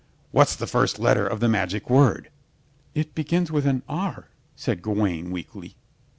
"What's the first letter of the magic word?" "It begins with an 'r,'" said Gawaine weakly.